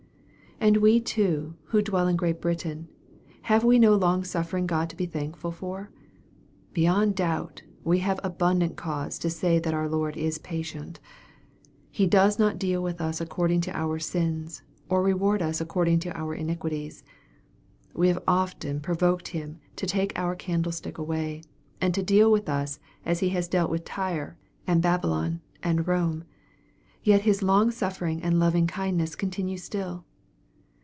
And we too, who dwell in Great Britain, have we no longsuffering of God to be thankful for ? Beyond doubt, we have abundant cause to say that our Lord is patient. He does not deal with us according to our sins, or reward us according to our iniquities. We have often provoked Him to take our candlestick away, and to deal with us as He has dealt with Tyre, and Babylon, and Eome. Yet His longsuffering and lovingkindness continue still.